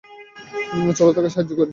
চলো তাকে সাহায্য করি?